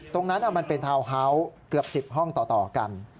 ตรงนั้นมันเป็นทาวน์ฮาส์เกือบ๑๐ห้องต่อกัน